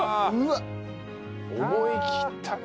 思い切ったね。